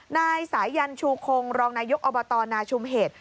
นายสายันชูคงรองนายกอบตนาชุมเหตุ